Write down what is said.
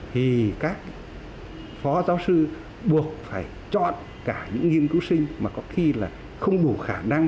thì các phó giáo sư buộc phải chọn cả những nghiên cứu sinh mà có khi là không đủ khả năng